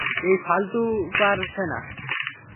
এই ফালতু পার-ফের না।